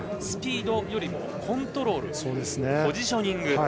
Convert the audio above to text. スピードよりもコントロールポジショニング。